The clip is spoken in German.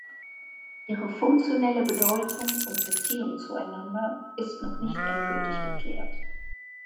Ihre funktionelle Bedeutung und Beziehung zueinander ist noch nicht endgültig geklärt.